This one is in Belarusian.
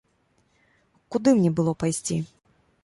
Куды мне было пайсці?